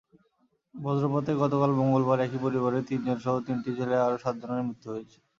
বজ্রপাতে গতকাল মঙ্গলবার একই পরিবারের তিনজনসহ তিনটি জেলায় আরও সাতজনের মৃত্যু হয়েছে।